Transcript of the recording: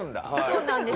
そうなんです。